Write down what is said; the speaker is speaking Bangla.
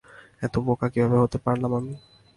এত বোকা কীভাবে হতে পারলাম আমি?